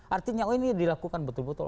artinya oh ini dilakukan betul betul